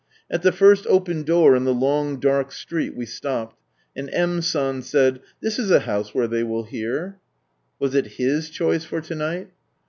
At the first open door in the long dark street we stopped, and M. San said, " This is a house where they will hear." Was it His choice for to night?